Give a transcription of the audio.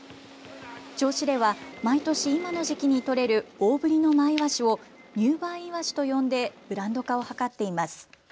銚子では毎年今の時期に取れる大ぶりのマイワシを入梅いわしと呼んでブランド化を図っています。